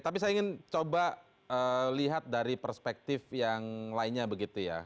tapi saya ingin coba lihat dari perspektif yang lainnya begitu ya